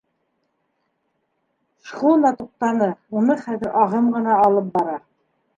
Шхуна туҡтаны, уны хәҙер ағым ғына алып бара.